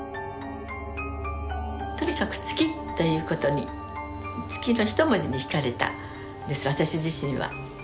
とにかく月っていうことに月の一文字にひかれたんです私自身は。